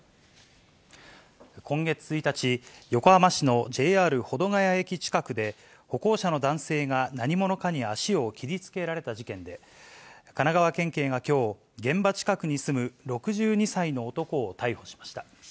今月１日、横浜市のＪＲ保土ケ谷駅近くで、歩行者の男性が何者かに足を切りつけられた事件で、神奈川県警がきょう、現場近くに住む６２歳の男を逮捕しました。